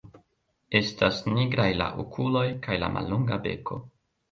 Estas nigraj la okuloj kaj la mallonga beko.